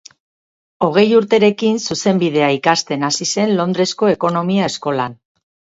Hogei urterekin Zuzenbidea ikasten hasi zen Londresko Ekonomia Eskolan.